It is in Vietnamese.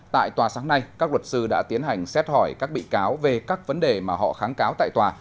tại tòa sáng nay các luật sư đã tiến hành xét hỏi các bị cáo về các vấn đề mà họ kháng cáo tại tòa